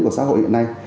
của xã hội hiện nay